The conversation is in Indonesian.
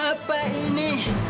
ada apa ini